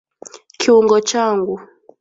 Kiungo changu.